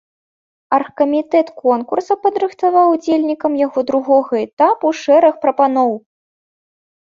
Аргкамітэт конкурса падрыхтаваў удзельнікам яго другога этапу шэраг прапаноў.